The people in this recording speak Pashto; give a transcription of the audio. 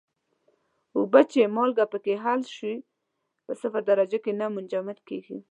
اوبه چې مالګه پکې حل شوې په صفر درجه کې نه منجمد کیږي.